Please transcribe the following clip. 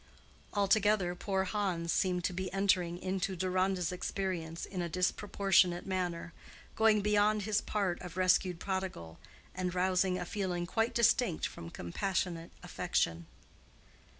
Altogether poor Hans seemed to be entering into Deronda's experience in a disproportionate manner—going beyond his part of rescued prodigal, and rousing a feeling quite distinct from compassionate affection.